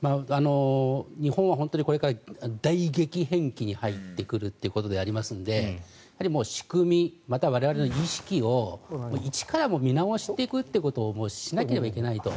日本は本当にこれから大激変期に入ってくるということでありますので仕組み、または我々の意識を一から見直していくということをしなければいけないと。